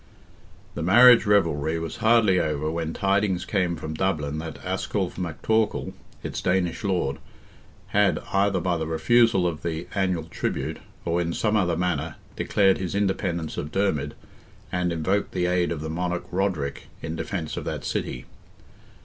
The marriage revelry was hardly over when tidings came from Dublin that Asculph MacTorcall, its Danish lord, had, either by the refusal of the annual tribute, or in some other manner, declared his independence of Dermid, and invoked the aid of the monarch Roderick, in defence of that city.